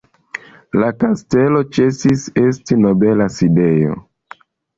La kastelo ĉesis esti nobela sidejo.